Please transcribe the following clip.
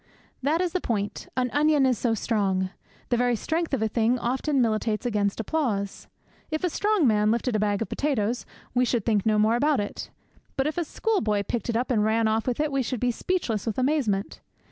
That is the point: an onion is so strong. The very strength of a thing often militates against applause. If a strong man lifted a bag of potatoes we should think no more about it; but if a schoolboy picked it up and ran off with it we should be speechless with amazement.